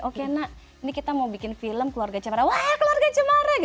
oke nak ini kita mau bikin film keluarga cemara wah keluarga cemara nih